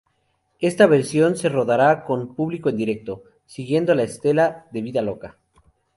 Esta versión se rodará con público en directo, siguiendo la estela de "Vida Loca".